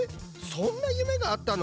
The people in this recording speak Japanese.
そんな夢があったの？